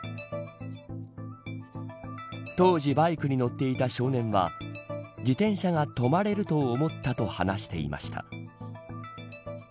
当時バイクに乗っていた少年は自転車が止まれると思ったと話していました。